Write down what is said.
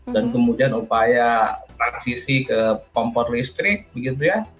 dan kemudian upaya transisi ke kompor listrik begitu ya